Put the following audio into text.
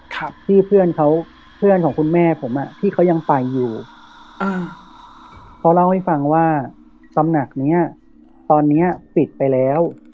ครับที่เพื่อนเขาเพื่อนของคุณแม่ผมอ่ะที่เขายังไปอยู่อ่าเขาเล่าให้ฟังว่าตำหนักเนี้ยตอนเนี้ยปิดไปแล้ว